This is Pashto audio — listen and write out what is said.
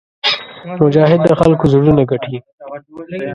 مجاهد د خلکو زړونه ګټي.